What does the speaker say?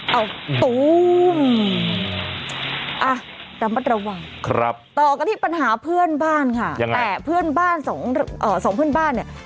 เอ้าตู้มอ่ะดำประตรวังต่อกันที่ปัญหาเพื่อนบ้านค่ะแต่เพื่อนบ้านสองเอ่อสองเพื่อนบ้านเนี่ย